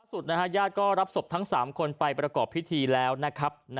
สุดนะฮะญาติก็รับศพทั้ง๓คนไปประกอบพิธีแล้วนะครับ